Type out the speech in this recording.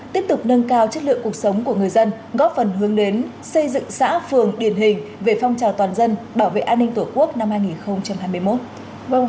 tiếp tục nâng cao chất lượng cuộc sống của người dân góp phần hướng đến xây dựng xã phường điển hình về phong trào toàn dân bảo vệ an ninh tổ quốc năm hai nghìn hai mươi một